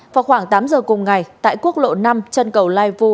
vào khoảng tám giờ cùng ngày tại quốc lộ năm chân cầu lai vu